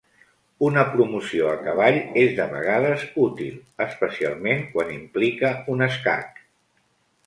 Una promoció a cavall és de vegades útil, especialment quan implica un escac.